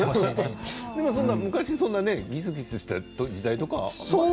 でも昔もぎすぎすした時代とかは。